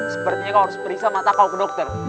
sepertinya kau harus periksa mata kau ke dokter